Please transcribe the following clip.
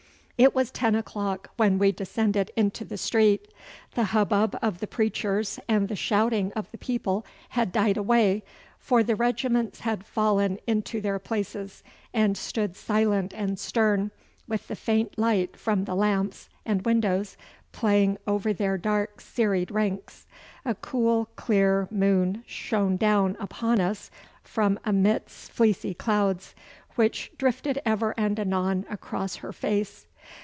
It was ten o'clock when we descended into the street. The hubbub of the preachers and the shouting of the people had died away, for the regiments had fallen into their places, and stood silent and stern, with the faint light from the lamps and windows playing over their dark serried ranks. A cool, clear moon shone down upon us from amidst fleecy clouds, which drifted ever and anon across her face.